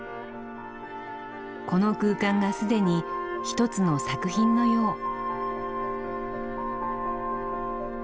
この空間が既に一つの作品のよう。